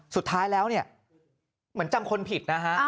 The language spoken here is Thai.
สุดท้ายแล้วเนี่ยเหมือนจำคนผิดนะฮะ